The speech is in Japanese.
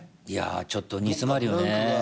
いやちょっと煮詰まるよね。